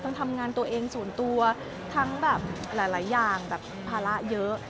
ทำงานตัวเองส่วนตัวทั้งแบบหลายอย่างแบบภาระเยอะ